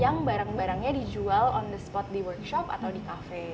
yang barang barangnya dijual on the spot di workshop atau di cafe